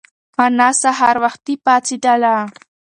انا سهار وختي پاڅېدله.